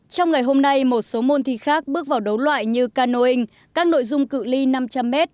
trong ngày hôm nay một số môn thi khác bước vào đấu loại như canoing các nội dung cự li năm trăm linh m